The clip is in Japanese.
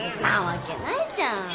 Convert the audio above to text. なわけないじゃん。